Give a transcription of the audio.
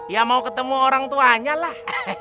ya mau ketemu orang tuanya lah